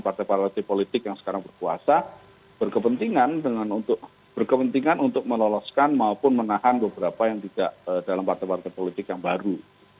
partai partai politik yang sekarang berkuasa berkepentingan dengan berkepentingan untuk meloloskan maupun menahan beberapa yang tidak dalam partai partai politik yang baru